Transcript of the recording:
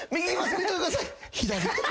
「見ててください！」